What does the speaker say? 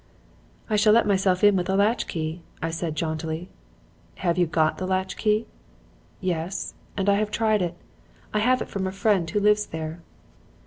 "'I shall let myself in with a latch key,' I said jauntily. "'Have you got the latch key?' "'Yes, and I have tried it. I had it from a friend who lives there.'